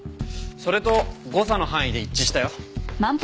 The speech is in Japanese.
それと誤差の範囲で一致したよ。